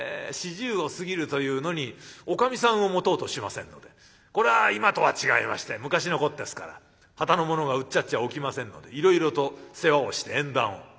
４０を過ぎるというのにおかみさんを持とうとしませんのでこれは今とは違いまして昔のことですからはたの者がうっちゃっちゃおきませんのでいろいろと世話をして縁談を。